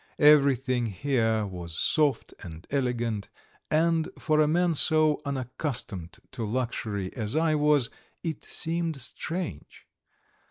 Everything here was soft and elegant, and, for a man so unaccustomed to luxury as I was, it seemed strange.